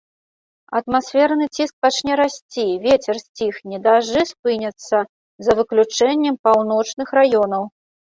Атмасферны ціск пачне расці, вецер сціхне, дажджы спыняцца, за выключэннем паўночных раёнаў.